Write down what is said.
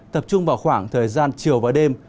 tập trung vào khoảng thời gian chiều và đêm